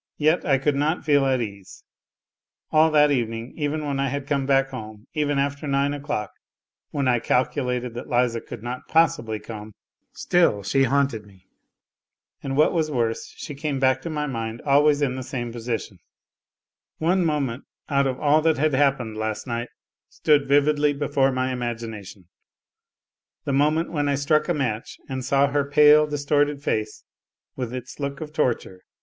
Yet I could not feel at ease. All that evening, even when I had come back home, even after nine o'clock, when I calculated that Liza could not possibly come, she still haunted me, and what was worse, she came back to my mind always in the same position 138 NOTES FROM UNDERGROUND One moment out of all that had happened last night stood vividly before my imagination ; the moment when I struck a match and saw her pale, distorted face, with its look of torture.